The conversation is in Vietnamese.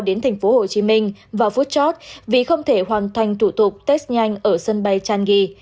đến thành phố hồ chí minh vào phút chót vì không thể hoàn thành thủ tục test nhanh ở sân bay changi